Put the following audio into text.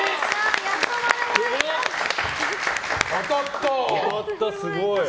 当たった、すごい。